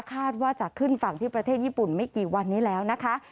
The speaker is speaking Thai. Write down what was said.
คาดว่าจะขึ้นฝั่งที่ประเทศญี่ปุ่นไม่กี่วันนี้แล้วนะคะ